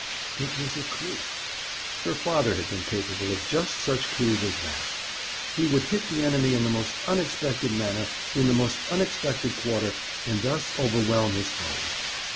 It was a coup. Her father had been capable of just such coups as that. He would hit the enemy in the most unexpected manner in the most unexpected quarter, and thus overwhelm his foes.